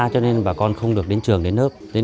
cho nên bà con không được đến trường đến lớp